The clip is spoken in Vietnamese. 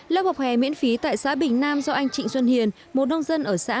lớp học hè miễn phí tại xã bình nam do anh trịnh xuân hiền một nông dân ở xã